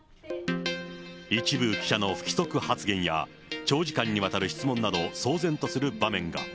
一部記者の不規則発言や、長時間にわたる質問など、騒然とする場面が。